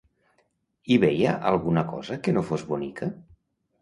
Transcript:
Hi veia alguna cosa que no fos bonica?